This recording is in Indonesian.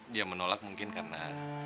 dia menolak mungkin karena